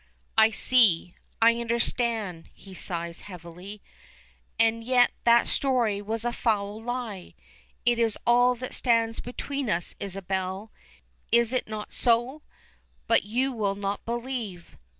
"I see. I understand," he sighs, heavily. "And yet that story was a foul lie! It is all that stands between us, Isabel. Is it not so? But you will not believe."